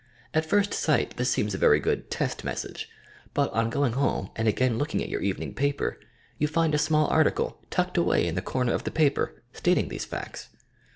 At first sight this seems a very~ good "test message," but on going home and again looking at your evening paper, you find a small article tucked away in the corner of the paper, stating these facts.